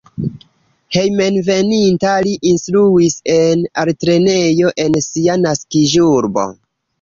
Hejmenveninta li instruis en altlernejo en sia naskiĝurbo.